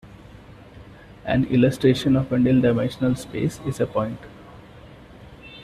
An illustration of a nildimensional space is a point.